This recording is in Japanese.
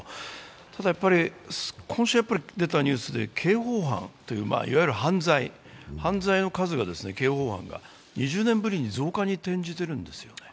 ただ、今週出たニュースで刑法犯という、いわゆる犯罪の数が２０年ぶりに増加に転じているんですよね。